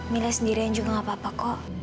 mila sendirian juga gak apa apa kok